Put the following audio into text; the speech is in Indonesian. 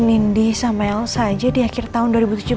si nindi sama elsa aja di akhir tahun dua ribu tujuh belas